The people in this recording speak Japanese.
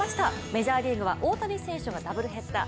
メジャーリーグは大谷選手がダブルヘッダー。